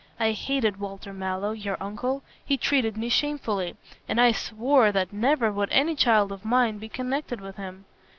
I hated Walter Mallow, your uncle. He treated me shamefully, and I swore that never would any child of mine be connected with him.